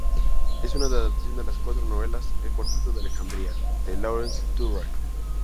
Es una adaptación de las cuatro novelas "El cuarteto de Alejandría" de Lawrence Durrell.